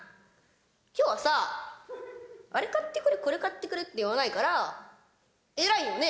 きょうはさ、あれ買ってくれこれ買ってくれって言わないから、偉いよね？